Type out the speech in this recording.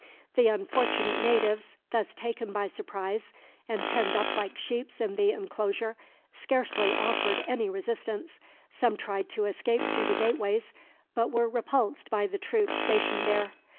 The unfortunate natives, thus taken by surprise, and penned up like sheep in the enclosure, scarcely offered any resistance; some tried to escape through the gateways, but were repulsed by the troops stationed there.